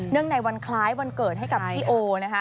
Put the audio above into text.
ในวันคล้ายวันเกิดให้กับพี่โอนะคะ